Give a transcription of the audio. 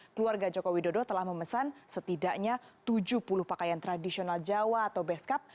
keluarga joko widodo telah memesan setidaknya tujuh puluh pakaian tradisional jawa atau beskap